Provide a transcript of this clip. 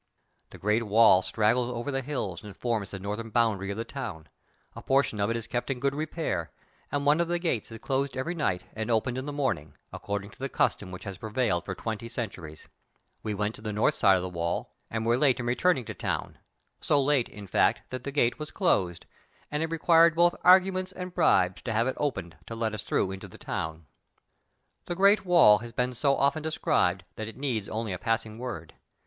The great wall straggles over the hills and forms the northern boundary of the town ; a portion of it is kept in good repair, and one of the gates is closed every night and openei} 192 THE TALKING HANDKERCHIEF. in the morning, according to the custom which has prevailed for twenty centuries. We went to the north side of the wall, and were late in return ing to town, so late, in fact, that the gate was closed, and it required both arguments and bribes to have it opened to let us through into the town. The great wall has been so often described that it needs only a passing word.